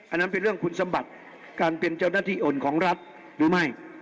อันนั้นเป็นเรื่องคุณสมบัติการเป็นเจ้าหน้าที่โอนของรัฐหรือไม่